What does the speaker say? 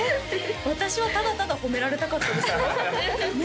私はただただ褒められたかったですよね